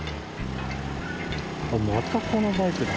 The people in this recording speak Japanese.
またこのバイクだ。